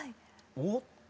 おっ？